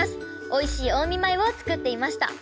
おいしい近江米を作っていました。